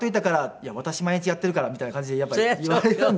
「いや私毎日やっているから」みたいな感じでやっぱり言われるんで。